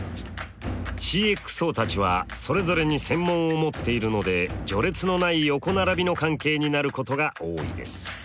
ＣｘＯたちはそれぞれに専門を持っているので序列のない横並びの関係になることが多いです。